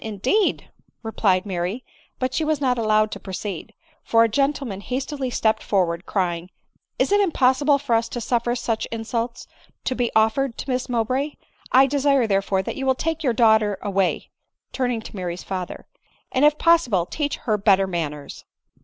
indeed !" replied Mary — but she was not * 7 allowed to proceed ; for a gentleman hastily stepped forward, crying, " It is impossible for us to suffer such insults to be offered to Miss Mowbray ; I desire, there fore, that you will take your daughter away, (turning to Mary's father ;) and, if possible, teach her better man ners."